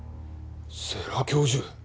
世良教授